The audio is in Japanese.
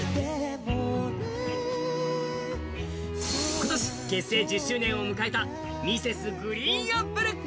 今年、結成１０周年を迎えたＭｒｓ．ＧＲＥＥＮＡＰＰＬＥ。